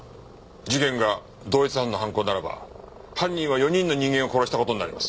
事件が同一犯の犯行ならば犯人は４人の人間を殺した事になります。